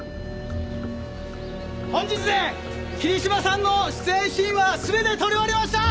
本日で桐島さんの出演シーンは全て撮り終わりました！